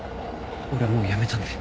俺もうやめたんで。